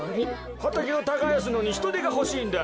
はたけをたがやすのにひとでがほしいんだよ。